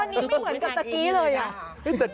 อันนี้ไม่เหมือนกับตะกี้เลย